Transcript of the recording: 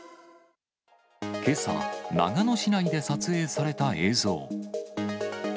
けさ、長野市内で撮影された映像。